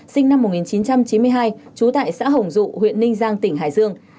sinh năm một nghìn chín trăm chín mươi hai trú tại xã hồng dụ huyện ninh giang tỉnh hải dương